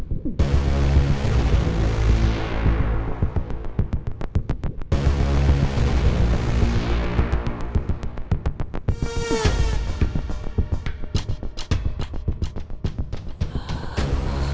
aku harus kasih tau reza